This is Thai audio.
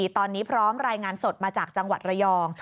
ตอนนี้พร้อมรายงานสดมาจากจังหวัดระยอง